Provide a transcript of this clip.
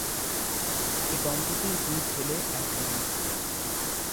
এ দম্পতির দুই ছেলে এক মেয়ে।